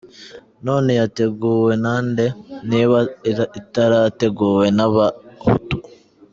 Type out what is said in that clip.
None yateguwe na nde, niba itarateguwe n’abahutu?